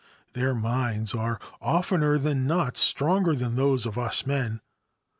Their minds are, oftener than not, stronger than those of us men.